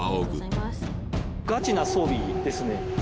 ガチな装備ですね。